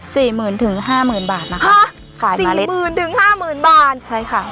สี่หมื่นถึงห้าหมื่นบาทนะคะขายสี่หมื่นถึงห้าหมื่นบาทใช่ค่ะ